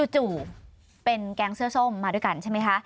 จู่เป็นแก๊งเสื้อส้มมาด้วยกันใช่ไหมคะ